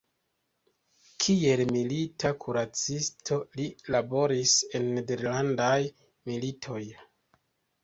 Kiel milita kuracisto li laboris en nederlandaj militoj.